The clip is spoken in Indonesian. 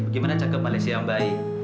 bagaimana cara ke malaysia yang baik